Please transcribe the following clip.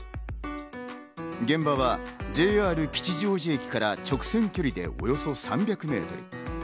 現場はＪＲ吉祥寺駅から直線距離でおよそ３００ｍ。